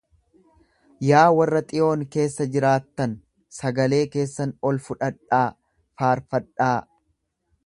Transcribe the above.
Yaa warra Xiyoon keessa jiraattan, sagalee keessan ol fudhadhaa faarfadhaa.